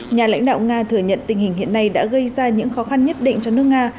nhà lãnh đạo nga thừa nhận tình hình hiện nay đã gây ra những khó khăn nhất định cho nước nga